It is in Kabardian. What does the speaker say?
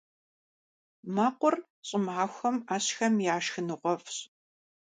Мэкъур щӀымахуэм Ӏэщхэм я шхыныгъуэфӀщ.